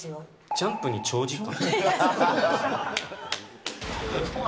ジャンプに長時間？